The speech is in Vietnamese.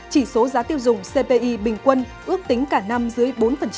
chỉ số giá tiêu dùng cpi bình quân ước tính cả năm dưới bốn